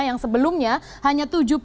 yang sebelumnya hanya rp seratus